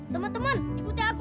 teman teman ikuti aku